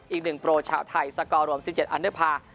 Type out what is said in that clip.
อีกหนึ่งโปรชาวไทยสกรวม๑๗อันเดอร์ภาค